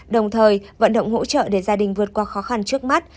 đồng thời vận động hỗ trợ để gia đình vượt qua khó khăn trước mắt